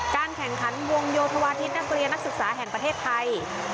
การแข่งขันวงโยธวาทิศนักเรียนนักศึกษาแห่งประเทศไทย